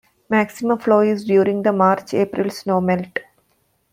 Maximum flow is during the March-April snowmelt.